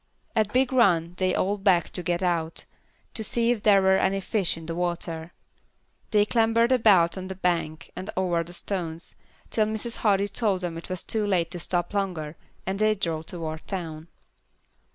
At Big Run they all begged to get out, to see if there were any fish in the water. They clambered about on the bank and over the stones, till Mrs. Hardy told them it was too late to stop longer, and they drove toward town.